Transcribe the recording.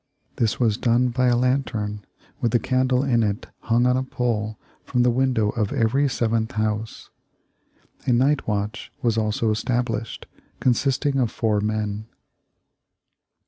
This was done by a lantern with a candle in it hung on a pole from the window of every seventh house. A night watch was also established, consisting of four men.